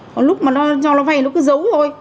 còn lúc mà nó cho nó vay nó cứ dấu thôi